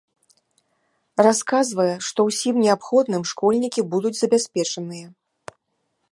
Расказвае, што ўсім неабходным школьнікі будуць забяспечаныя.